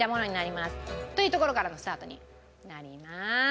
というところからのスタートになります。